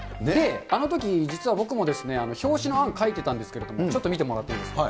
あのとき、実は僕も表紙の案、描いてたんですけれども、ちょっと見てもらっていいですか。